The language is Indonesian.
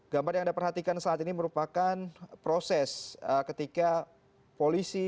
gambar yang anda perhatikan saat ini merupakan proses ketika polisi